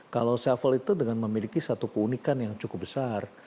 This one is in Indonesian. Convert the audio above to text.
kalau shuffle itu dengan memiliki satu keunikan yang cukup besar